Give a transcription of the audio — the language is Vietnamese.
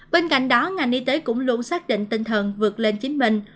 bên cạnh đó ngành y tế cũng luôn xác định tinh thần vượt lên chính mình